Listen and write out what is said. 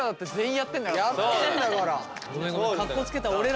やってんだから。